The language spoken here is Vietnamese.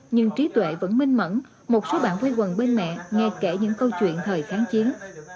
nhưng trí tuệ vẫn minh mẫn một số bạn với quần bên mẹ nghe kể những câu chuyện thời kháng chiến